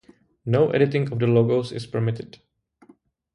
No editing of the logos is permitted.